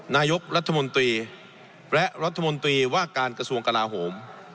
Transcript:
นายกรัฐมนตรีและรัฐมนตรีว่าการกระทรวงกลาโหม